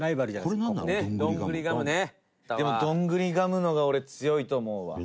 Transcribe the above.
二階堂：でもどんぐりガムの方が俺、強いと思うわ。